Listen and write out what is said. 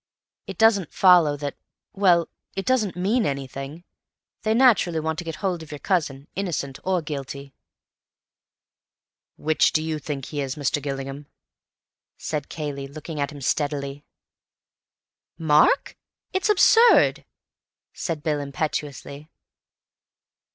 It doesn't follow that—well, it doesn't mean anything. They naturally want to get hold of your cousin, innocent or guilty." "Which do you think he is, Mr. Gillingham?" said Cayley, looking at him steadily. "Mark? It's absurd," said Bill impetuously.